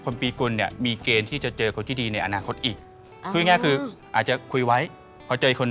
นี่นี่นี่เจ้าไม่รู้จะศึกษาใครค่ะ